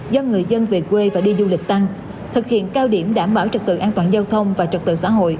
do người dân về quê và đi du lịch tăng thực hiện cao điểm đảm bảo trực tựa an toàn giao thông và trực tựa xã hội